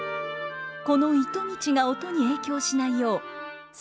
この糸道が音に影響しないよう棹